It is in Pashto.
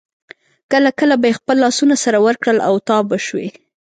کله کله به یې خپل لاسونه سره ورکړل او تاو به شوې.